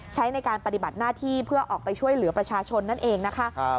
ใช้ในการปฏิบัติหน้าที่เพื่อออกไปช่วยเหลือประชาชนนั่นเองนะคะ